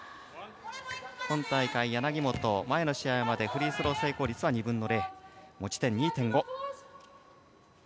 今大会、柳本、前の試合までフリースロー成功率は２分の０持ち点２．５。